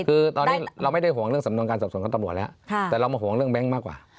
คือตอนนี้เราไม่ได้ห่วงเรื่องสำนวนการสอบส่วนของตำรวจแล้วแต่เรามาห่วงเรื่องแบงค์มากกว่า